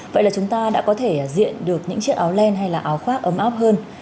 vậy là chúng ta đã có thể diện được những chiếc áo len hay là áo khoác ấm áp hơn